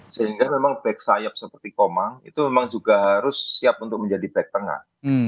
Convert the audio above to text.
sehingga memang back sayap seperti komang itu memang juga harus siap untuk menjadi back tengah